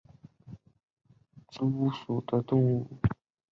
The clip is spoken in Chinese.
孟加拉壮头蛛为园蛛科壮头蛛属的动物。